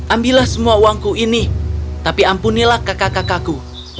ambillah semua uangku ini tapi ampunilah kakak kakakku